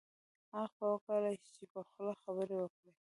هغه به وکولای شي چې په خوله خبرې وکړي